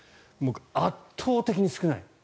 圧倒的に少ない。